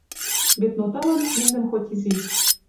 Бедноталан киндӹм хоть изиш